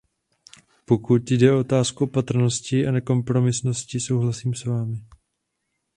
Pokud jde o otázku opatrnosti a nekompromisnosti, souhlasím s vámi.